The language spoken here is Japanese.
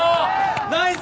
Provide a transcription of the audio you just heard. ナイス！